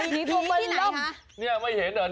พีชโผล่อมาล่ะพีชที่ไหนคะโอ้โฮพีชที่ไหนคะ